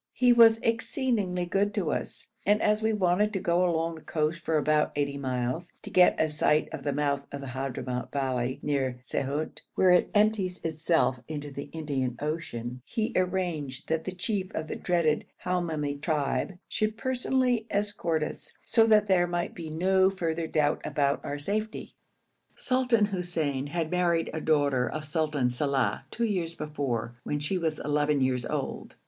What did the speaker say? He was exceedingly good to us, and as we wanted to go along the coast for about eighty miles, to get a sight of the mouth of the Hadhramout valley near Saihut, where it empties itself into the Indian Ocean, he arranged that the chief of the dreaded Hamoumi tribe should personally escort us, so that there might be no further doubt about our safety. Sultan Hussein had married a daughter of Sultan Salàh two years before, when she was eleven years old.